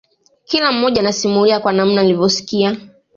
Kila mmoja anasimulia kwa namna alivyosikia